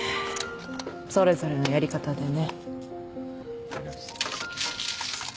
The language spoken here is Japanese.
それぞれのやり方でね。